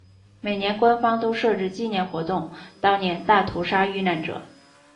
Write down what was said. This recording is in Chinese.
每年官方都设置纪念活动悼念大屠杀遇难者。